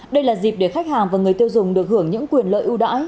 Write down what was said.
đây là dịp để khách hàng và người tiêu dùng được hưởng những quyền lợi ưu đãi